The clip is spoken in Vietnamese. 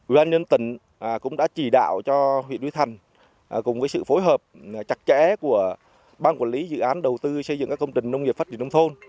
ủy ban nhân tỉnh cũng đã chỉ đạo cho huyện núi thành cùng với sự phối hợp chặt chẽ của ban quản lý dự án đầu tư xây dựng các công trình nông nghiệp phát triển nông thôn